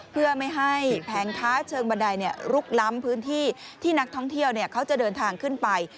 เพื่อไม่ให้แผงค้าเชิงบันไดลุกล้ำพื้นที่ที่นักท่องเที่ยวเขาจะเดินทางขึ้นไป